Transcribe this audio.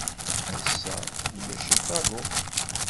Ass-a, ulac akk aḍu.